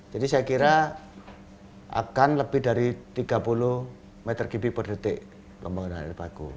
jadi saya kira akan lebih dari tiga puluh meter kubik per detik pembangunan air baku